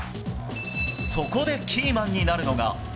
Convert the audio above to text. そこでキーマンになるのが。